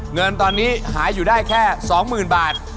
เงินตอนนี้หาอยู่ได้แค่๒๐๐๐บาท